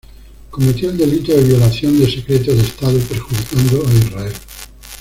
Cometió el delito de violación de secreto de Estado perjudicando a Israel.